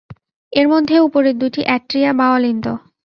এর মধ্যে উপরের দুটি অ্যাট্রিয়া বা অলিন্দ।